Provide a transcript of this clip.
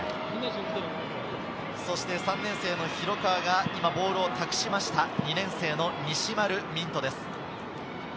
そして３年生の広川がボールを託しました、２年生の西丸道人です。